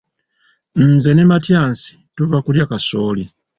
Nze ne Matyansi tuva kulya kasooli.